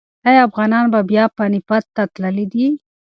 ایا افغانان بیا پاني پت ته تللي دي؟